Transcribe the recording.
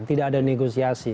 tidak ada negosiasi